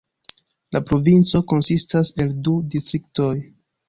La provinco konsistas el du distriktoj.